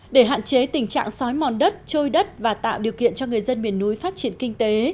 để hạn chế tình trạng sói mòn đất trôi đất và tạo điều kiện cho người dân miền núi phát triển kinh tế